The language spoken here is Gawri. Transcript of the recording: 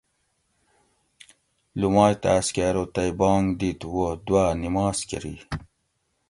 لُومائ تاۤس کہ ارو تئ بانگ دِت وو دُوا نماز کری